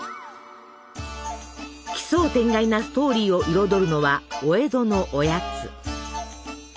奇想天外なストーリーを彩るのはお江戸のおやつ。